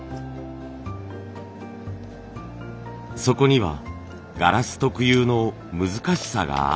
そこにはガラス特有の難しさがあったのです。